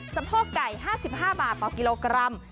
สะโพกไก่๕๕บาทต่อกิโลกรัม